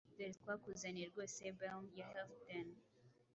Doretwakuzaniye rwosebairn ya Healfdene